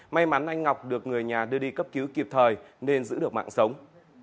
may mắn anh ngọc được người nhà đưa đi cấp cứu kịp thời nên giữ được mạng sống